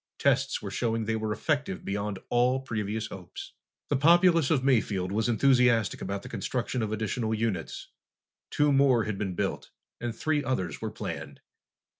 Tests were showing they were effective beyond all previous hopes. The populace of Mayfield was enthusiastic about the construction of additional units. Two more had been built, and three others were planned.